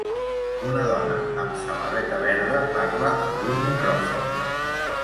Una dona amb samarreta verda parla amb un micròfon.